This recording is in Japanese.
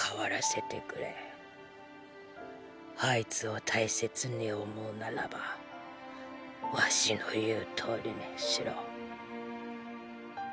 あいつを大切に思うならばワシの言う通りにしろ。